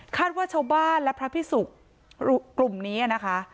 ว่าชาวบ้านและพระพิสุกกลุ่มนี้นะคะ